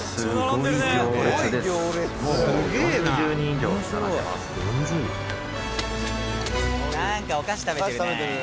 宮田：なんかお菓子食べてるね。